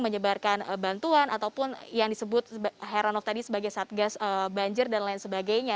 menyebarkan bantuan ataupun yang disebut heranov tadi sebagai satgas banjir dan lain sebagainya